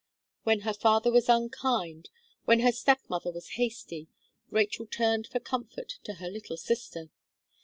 When her father was unkind, when her step mother was hasty, Rachel turned for comfort to her little sister.